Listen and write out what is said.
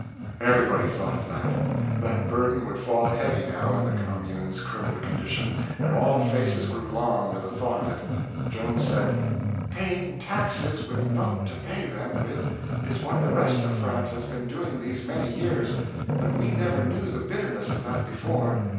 Everybody thought of that. That burden would fall heavy now in the commune's crippled condition, and all faces grew long with the thought of it. Joan said: "Paying taxes with naught to pay them with is what the rest of France has been doing these many years, but we never knew the bitterness of that before.